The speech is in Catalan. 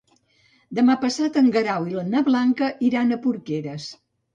Demà passat en Guerau i na Blanca iran a Porqueres.